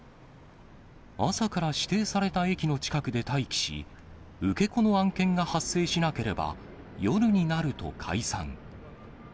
朝から指定された駅の近くで待機し、受け子の案件が発生しなければ、夜になると解散。